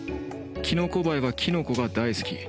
キノコバエはキノコが大好き。